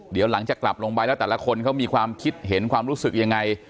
เดี๋ยวหลังจากกลับลงไปแล้วแต่ละคนเขามีความคิดเห็นความรู้สึกยังไง